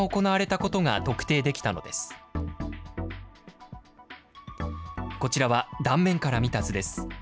こちらは断面から見た図です。